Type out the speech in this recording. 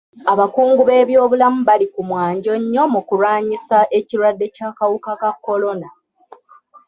Abakungu b'ebyobulamu bali ku mwanjo nnyo mu kulwanyisa ekirwadde ky'akawuka ka kolona.